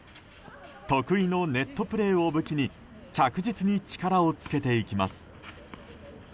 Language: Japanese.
得意のネットプレーを武器に着実に力をつけていきます。